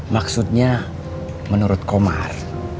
maksudnya menurut komar